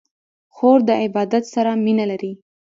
خور د عبادت سره مینه لري.